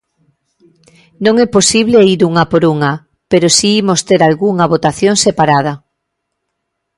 Non é posible ir unha por unha, pero si imos ter algunha votación separada.